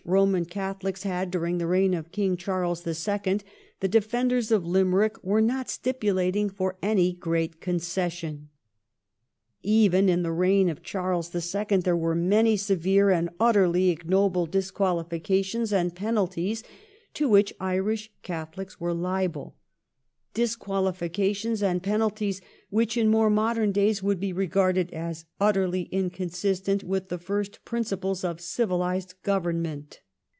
Eoman Catholics had during the reign of King Charles the Second the defenders of Limerick were not stipulating for any great concession. Even in the reign of Charles the Second there were many severe and utterly ignoble disqualifications and penalties to which Irish Catholics were liable — disqualifications and penalties which in more modern days would be regarded as utterly inconsistent with the first principles of civilised government.